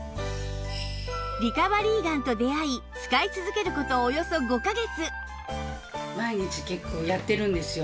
リカバリーガンと出会い使い続ける事およそ５カ月